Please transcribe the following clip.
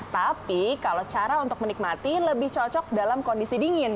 tapi kalau cara untuk menikmati lebih cocok dalam kondisi dingin